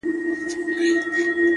ددې ښـــــار څــــو ليونـيـو”